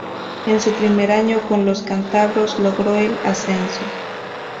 En su primer año con los cántabros logró el ascenso.